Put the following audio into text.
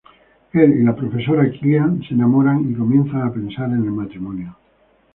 Él y la profesora Killian se enamoran y comienzan a pensar en el matrimonio.